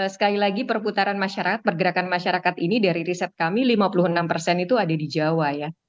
sekali lagi perputaran masyarakat pergerakan masyarakat ini dari riset kami lima puluh enam persen itu ada di jawa ya